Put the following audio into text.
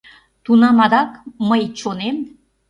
Тунам адак мый чонем